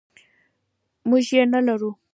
موږ یې نلرو.